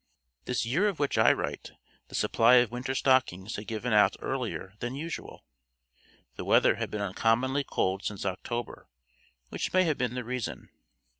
This year of which I write, the supply of winter stockings had given out earlier than usual. The weather had been uncommonly cold since October, which may have been the reason.